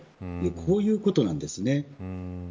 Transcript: こういうことなんです。